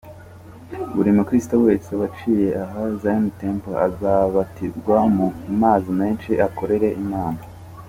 Buri mukristo wese waciye aha (Zion Temple) azabatizwa mu amazi menshi akorere Imana